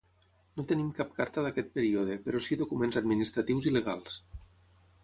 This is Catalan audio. No tenim cap carta d'aquest període però sí documents administratius i legals.